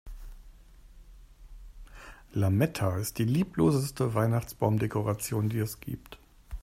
Lametta ist die liebloseste Weihnachtsbaumdekoration, die es gibt.